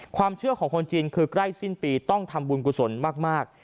ความเชื่อของคนจีนคือใกล้สิ้นปีต้องทำบุญกุศลมาก